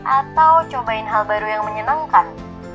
atau cobain hal baru yang menyenangkan